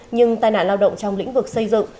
nhưng tai nạn lao động trong lĩnh vực xây dựng